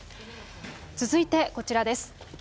続いて、こちらです。